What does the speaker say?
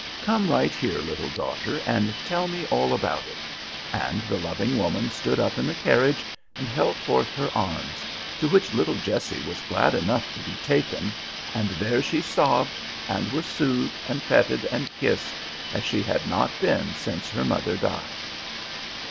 Come right here, little daughter, and tell me all about it," and the loving woman stood up in the carriage and held forth her arms, to which little Jessie was glad enough to be taken, and there she sobbed, and was soothed and petted and kissed as she had not been since her mother died.